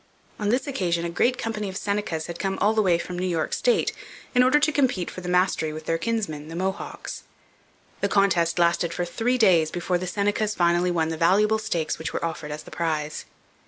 On this occasion a great company of Senecas had come all the way from New York state in order to compete for the mastery with their kinsmen, the Mohawks. The contest lasted for three days before the Senecas finally won the valuable stakes which were offered as the prize.